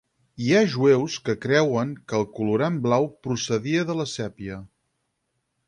Hi ha jueus que creuen que el colorant blau procedia de la sèpia.